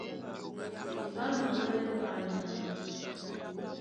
Ɓá máɓɔ́lɛ panja mɔ́.